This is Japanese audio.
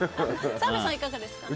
澤部さんはいかがですか？